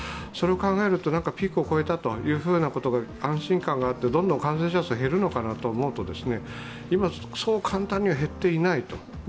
それを考えると、ピークを超えたという安心感があるとどんどん感染者数が減るのかなと思うと、今、そう簡単には減っていない。